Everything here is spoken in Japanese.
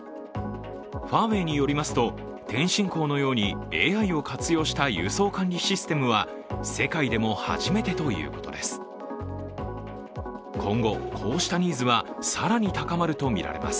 ファーウェイによりますと、天津港のようにＡＩを活用した輸送管理システムは世界でも初めてといいます。